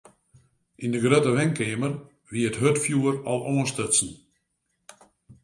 Yn de grutte wenkeamer wie it hurdfjoer al oanstutsen.